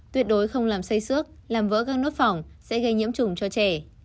tuyệt đối không làm xây xước làm vỡ găng nốt phỏng sẽ gây nhiễm trùng cho trẻ